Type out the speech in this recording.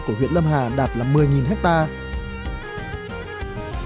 của huyện lâm hà đạt là một mươi hectare